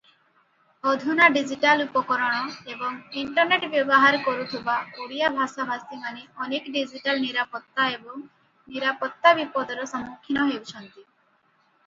ଅଧୁନା ଡିଜିଟାଲ ଉପକରଣ ଏବଂ ଇଣ୍ଟରନେଟ ବ୍ୟବହାର କରୁଥିବା ଓଡ଼ିଆ ଭାଷାଭାଷୀମାନେ ଅନେକ ଡିଜିଟାଲ ନିରାପତ୍ତା ଏବଂ ନିରାପତ୍ତା ବିପଦର ସମ୍ମୁଖୀନ ହେଉଛନ୍ତି ।